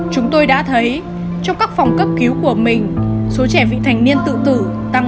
chúng tôi đã thấy trong các phòng cấp cứu của mình số trẻ vị thành niên tự tử tăng